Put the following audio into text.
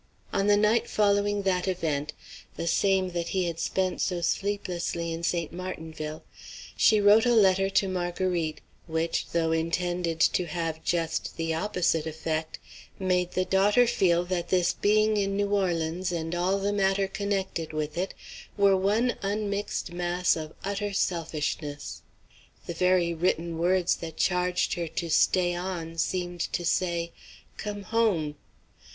On the night following that event, the same that he had spent so sleeplessly in St. Martinville, she wrote a letter to Marguerite, which, though intended to have just the opposite effect, made the daughter feel that this being in New Orleans, and all the matter connected with it, were one unmixed mass of utter selfishness. The very written words that charged her to stay on seemed to say, "Come home!"